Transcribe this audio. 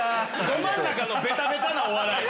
ど真ん中のベタベタなお笑い。